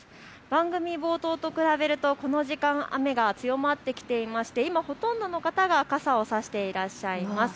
番組冒頭と比べるとこの時間、雨が強まってきていまして今ほとんどの方が傘を差していらっしゃいます。